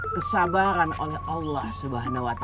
kesabaran oleh allah swt